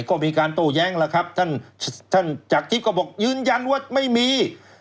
ก็มีการโต้แย้งแล้วครับท่านท่านจักรทิพย์ก็บอกยืนยันว่าไม่มี